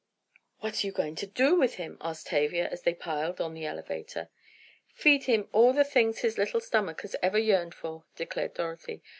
"What are you going to do with him?" asked Tavia, as they piled on the elevator. "Feed him all the things his little stomach has ever yearned for," declared Dorothy.